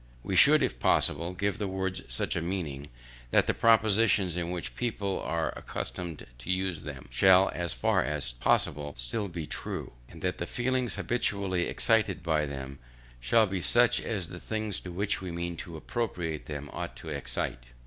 We should, if possible, give the words such a meaning, that the propositions in which people are accustomed to use them, shall as far as possible still be true; and that the feelings habitually excited by them, shall be such as the things to which we mean to appropriate them ought to excite.